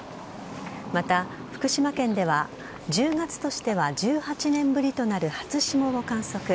また、福島県では１０月としては１８年ぶりとなる初霜を観測。